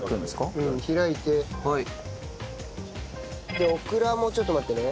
でオクラもちょっと待ってね。